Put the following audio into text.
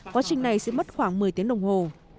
quá trình này sẽ mất khoảng một mươi tiếng đồng hồ